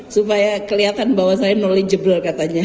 supaya kelihatan bahwa saya knowledgeable katanya